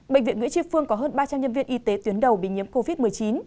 bệnh viện nguyễn tri phương có hơn ba trăm linh nhân viên y tế tuyến đầu bị nhiễm covid một mươi chín